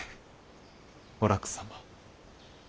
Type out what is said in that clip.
お楽様。